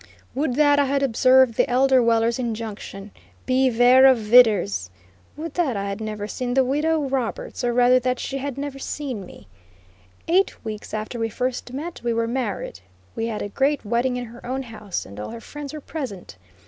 Would that I had observed the elder Weller's injunction: "Bevare of vidders;" would that I had never seen the Widow Roberts, or rather that she had never seen me. Eight weeks after we first met we were married. We had a great wedding in her own house, and all her friends were present.